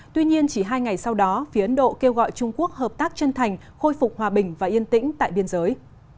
tuy nhiên chỉ hai ngày sau đó phía ấn độ kêu gọi trung quốc hợp tác chân thành khôi phục hòa bình và yên tĩnh tại biên giới